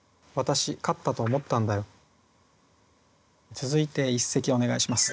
続いて一席お願いします。